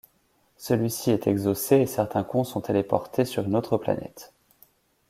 Celui-ci est exaucé et certains cons sont téléportés sur une autre planète.